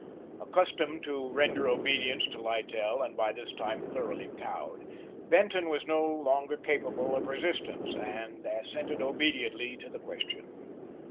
Accustomed to render obedience to Littell, and by this time thoroughly cowed, Benton was no longer capable of resistance, and assented obediently to the question.